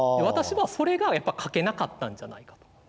私はそれがやっぱ書けなかったんじゃないかと。